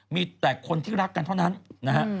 มีแต่คนที่รักกันเท่านั้นนะฮะ